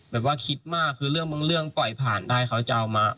แบบว่าคิดมากคือเรื่องบางเรื่องปล่อยผ่านได้เขาจะเอามา